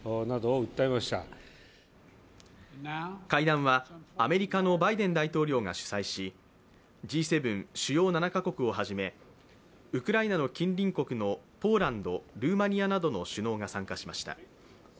会談はアメリカのバイデン大統領が主催しＧ７＝主要７か国をはじめウクライナの近隣国のポーランド、ルーマニアなどの首脳が参加しました。